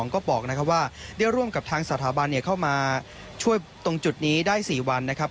ก็บอกว่าได้ร่วมกับทางสถาบันเข้ามาช่วยตรงจุดนี้ได้๔วันนะครับ